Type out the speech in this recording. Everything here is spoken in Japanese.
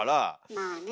まあね。